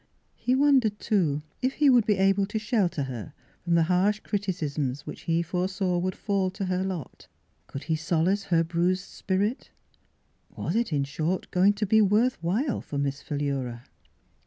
He wondered, too, if he would be able to shelter her from the harsh criti cisms which he foresaw would fall to her lot ; could he solace her bruised spirit ; was it, in short, going to be worth while for Miss Philura?